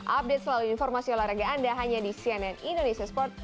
update selalu informasi olahraga anda hanya di cnn indonesia sport